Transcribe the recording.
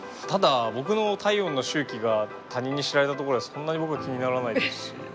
ただ僕の体温の周期が他人に知られたところでそんなに僕気にならないですし。